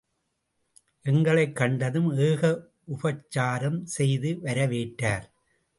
எங்களைக் கண்டதும் ஏக உப்சாரம் செய்து வரவேற்றார்.